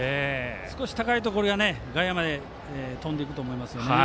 少し高いところでは外野まで飛んでいくと思いますけどね。